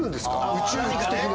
宇宙服的な。